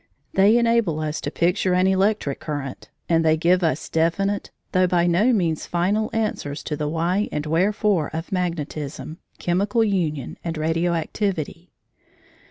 They enable us to picture an electric current, and they give us definite, though by no means final, answers to the why and wherefore of magnetism, chemical union, and radio activity.